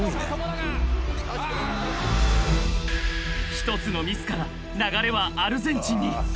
［１つのミスから流れはアルゼンチンに］